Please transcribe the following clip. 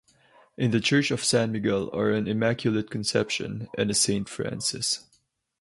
In the church of San Miguel are an "Immaculate Conception" and a "Saint Francis".